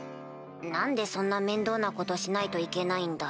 何でそんな面倒なことしないといけないんだ。